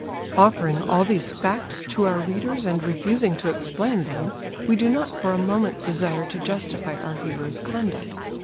Offering all these facts to our readers and refusing to explain them, we do not for a moment desire to justify our hero's conduct.